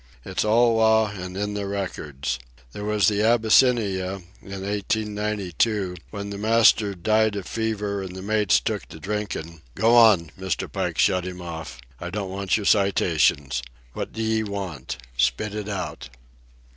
It's all law an' in the records. There was the Abyssinia, in eighteen ninety two, when the master'd died of fever and the mates took to drinkin'—" "Go on!" Mr. Pike shut him off. "I don't want your citations. What d'ye want? Spit it out."